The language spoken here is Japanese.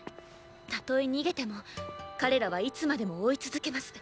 たとえ逃げても彼らはいつまでも追い続けます。